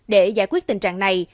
để giải quyết tình trạng này